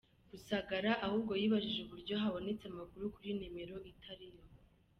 Rusagara ahubwo yibajije uburyo habonetse amakuru kuri numero itari yo.